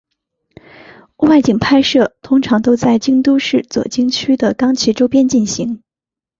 外景拍摄通常都在京都市左京区的冈崎周边进行。